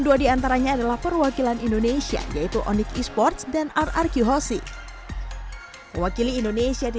dua diantaranya adalah perwakilan indonesia yaitu onyx esports dan rrq hossi wakili indonesia di